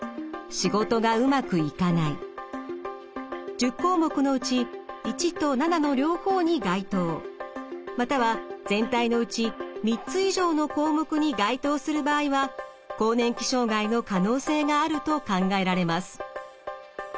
１０項目のうち①と⑦の両方に該当または全体のうち３つ以上の項目に該当する場合は更年期障害の可能性があると考えられます。